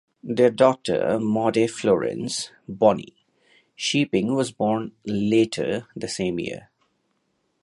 Their daughter Maude Florence (Bonnie) Shee Ping was born later the same year.